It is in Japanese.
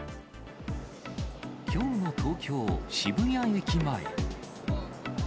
きょうの東京・渋谷駅前。